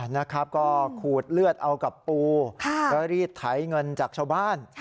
นะครับก็ขูดเลือดเอากับปูแล้วรีดไถเงินจากชาวบ้าน